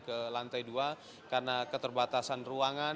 ke lantai dua karena keterbatasan ruangan